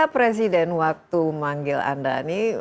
presiden waktu manggil anda ini